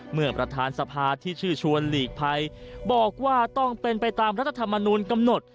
เมื่อประธานสภาที่ชื่อชวนหลีกภัยบอกว่าต้องเป็นไปตามรัฐธรรมนูลกำหนด